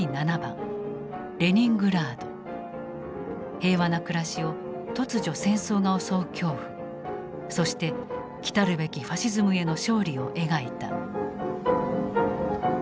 平和な暮らしを突如戦争が襲う恐怖そして来るべきファシズムへの勝利を描いた。